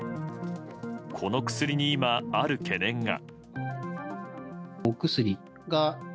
この薬に今、ある懸念が。